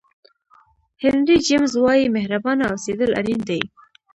هینري جمیز وایي مهربانه اوسېدل اړین دي.